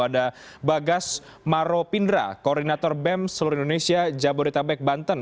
ada bagas maropindra koordinator bem seluruh indonesia jabodetabek banten